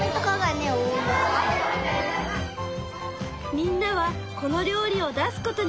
みんなはこの料理を出すことに決めたの。